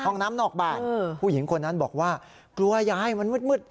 ห้องน้ำนอกบ้านผู้หญิงคนนั้นบอกว่ากลัวยายมันมืด